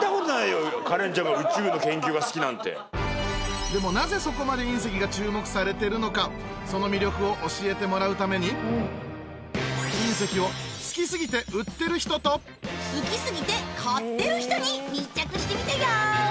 カレンちゃんが宇宙の研究が好きなんてでもなぜそこまで隕石が注目されてるのかその魅力を教えてもらうために隕石を好きすぎて売ってる人と好きすぎて買ってる人に密着してみたよ